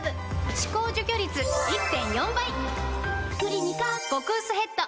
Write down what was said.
歯垢除去率 １．４ 倍！